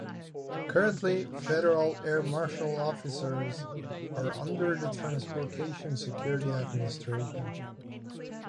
Currently, Federal Air Marshal Officers are under the Transportation Security Administration.